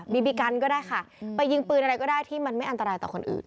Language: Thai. บีบีกันก็ได้ค่ะไปยิงปืนอะไรก็ได้ที่มันไม่อันตรายต่อคนอื่น